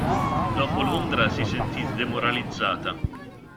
Dopo Londra si sentì demoralizzata.